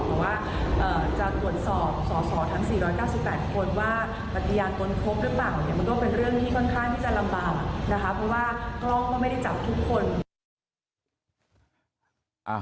แต่ว่าจะตรวจสอบสอบทั้ง๔๙๘คนว่าปฏิญาณตนครบหรือเปล่า